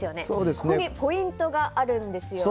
ここにポイントがあるんですよね。